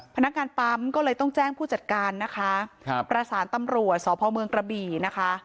พนักงานปั๊มก็เลยต้องแจ้งผู้จัดการนะคะครับประสานตำรวจสพเมืองกระบี่นะคะ